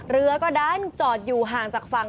เรือก็ดันจอดอยู่ห่างจากฝั่ง